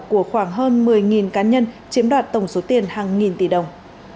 của khoảng hơn một mươi cá nhân chiếm đoạt tổng số tiền hàng nghìn tỷ đồng